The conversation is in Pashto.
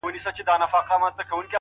هومره د فكر مفكوره ورانه ده.!